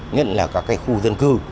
nhất là các khu dân cư